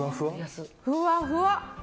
ふわふわ！